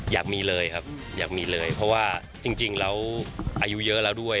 อยากมีเลยครับอยากมีเลยเพราะว่าจริงแล้วอายุเยอะแล้วด้วย